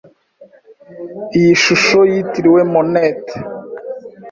Iyi shusho yitiriwe Monet.